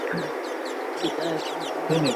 Kompyuta ni tarakilishi.